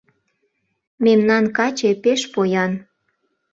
Мемнан каче пеш поян